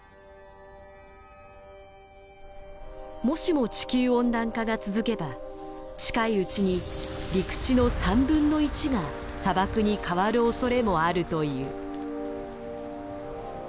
もしも地球温暖化が続けば近いうちに陸地の３分の１が砂漠に変わるおそれもあるという。